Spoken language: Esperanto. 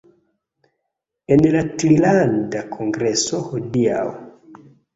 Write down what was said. En la Trilanda Kongreso hodiaŭ